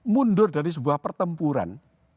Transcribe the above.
mundur dari sebuah pertempuran